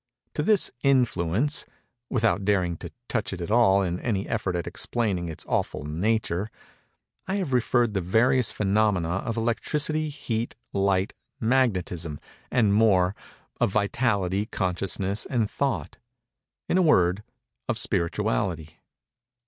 To this influence—without daring to touch it at all in any effort at explaining its awful nature—I have referred the various phænomena of electricity, heat, light, magnetism; and more—of vitality, consciousness, and thought—in a word, of spirituality.